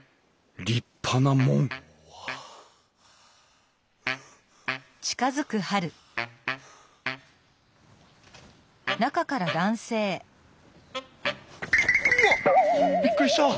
立派な門うわっびっくりした！